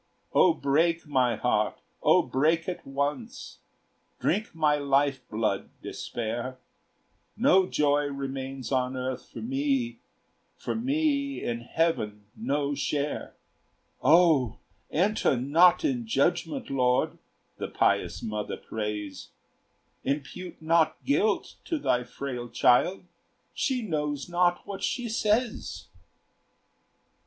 "O break, my heart, O break at once! Drink my life blood, Despair! No joy remains on earth for me, For me in heaven no share." "O enter not in judgment, Lord!" The pious mother prays; Impute not guilt to thy frail child! She knows not what she says.